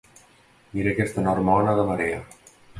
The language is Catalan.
Mira aquesta enorme ona de marea.